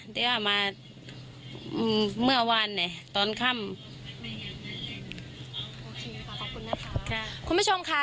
อืมเมื่อวานเนี่ยตอนค่ำโอเคค่ะขอบคุณนะคะค่ะคุณผู้ชมค่ะ